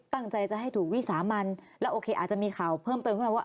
ตั้งใจจะให้ถูกวีสามันปัญหาเพิ่มเติม